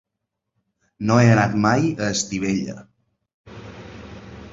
No he anat mai a Estivella.